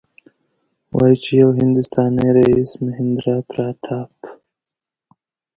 وايي چې یو هندوستانی رئیس مهیندراپراتاپ.